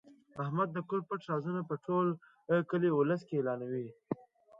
احمد د کور پټ رازونه په ټول کلي اولس کې اعلانوي.